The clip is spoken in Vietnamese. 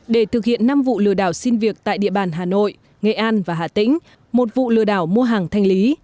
để thực hiện năm vụ lừa đảo xin việc tại địa bàn hà nội nghệ an và hà tĩnh một vụ lừa đảo mua hàng thanh lý